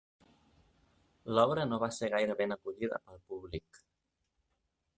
L'obra no va ser gaire ben acollida pel públic.